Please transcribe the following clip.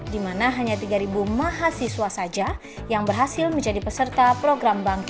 di mana hanya tiga mahasiswa saja yang berhasil menjadi perempuan